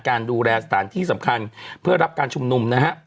การดูแลสถานที่สำคัญเพื่อรับการชุมนุมนะฮะ